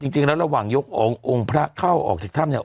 จริงแล้วระหว่างโอ้งพระเข้าออกจากถ้ำเนี่ย